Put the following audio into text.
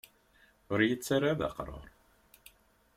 Ur yi-ttarra ara d aqrur.